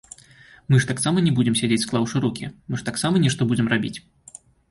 Мы ж таксама не будзем сядзець склаўшы рукі, мы таксама нешта будзем рабіць.